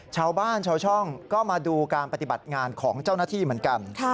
ชาวบ้านชาวช่องก็มาดูการปฏิบัติงานของเจ้าหน้าที่เหมือนกัน